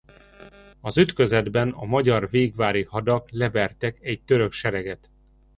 Az ütközetben a magyar végvári hadak levertek egy török sereget.